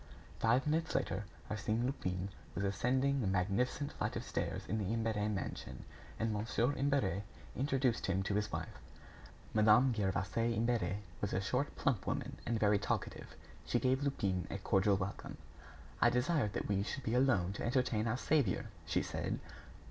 Five minutes later, Arsène Lupin was ascending the magnificent flight of stairs in the Imbert mansion, and Mon. Imbert introduced him to his wife. Madame Gervaise Imbert was a short plump woman, and very talkative. She gave Lupin a cordial welcome. "I desired that we should be alone to entertain our saviour," she said.